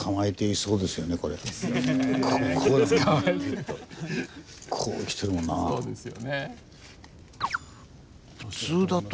そうですよね。